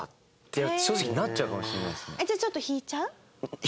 じゃあちょっと引いちゃう？